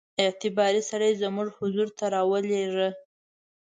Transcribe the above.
اعتباري سړی زموږ حضور ته را ولېږه.